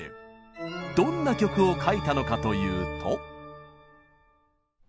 どんな曲を書いたのかというと。